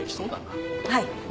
はい。